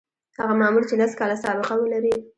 هغه مامور چې لس کاله سابقه ولري.